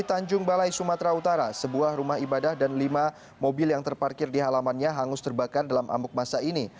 di tanjung balai sumatera utara sebuah rumah ibadah dan lima mobil yang terparkir di halamannya hangus terbakar dalam amuk masa ini